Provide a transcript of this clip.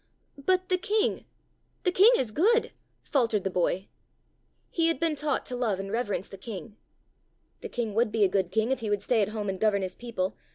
"But the king, the king is good," faltered the boy. He had been taught to love and reverence the king. "The king would be a good king if he would stay at home and govern his people.